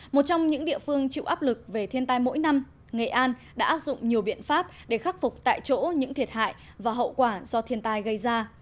một trong những địa phương chịu áp lực về thiên tai mỗi năm nghệ an đã áp dụng nhiều biện pháp để khắc phục tại chỗ những thiệt hại và hậu quả do thiên tai gây ra